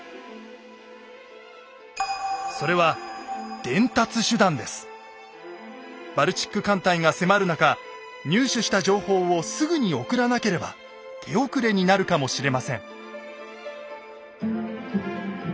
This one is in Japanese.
それはバルチック艦隊が迫る中入手した情報をすぐに送らなければ手遅れになるかもしれません。